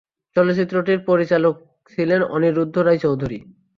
চলচ্চিত্রটির পরিচালক ছিলেন অনিরুদ্ধ রায় চৌধুরী।